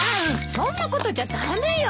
そんなことじゃ駄目よ！